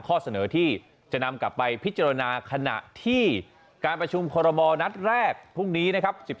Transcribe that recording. ข้อเสนอที่จะนำกลับไปพิจารณาขณะที่การประชุมคอรมอลนัดแรกพรุ่งนี้นะครับ